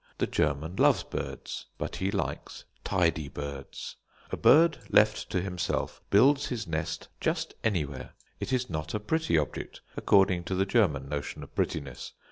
The German loves birds, but he likes tidy birds. A bird left to himself builds his nest just anywhere. It is not a pretty object, according to the German notion of prettiness.